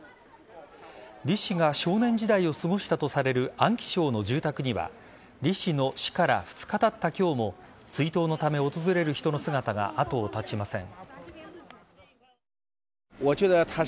李氏が少年時代を過ごしたとされる安徽省の住宅には李氏の死から２日たった今日も追悼のため訪れる人の姿が後を絶ちません。